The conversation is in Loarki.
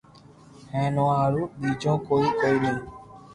ھين او ھارون ٻيجو ڪوئي ڪوئي ني